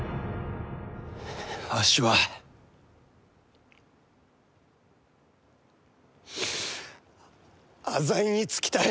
わしは浅井につきたい！